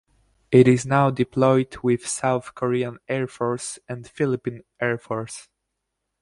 It is now deployed with South Korean Air Force and the Philippine Air Force.